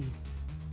apakah itu berarti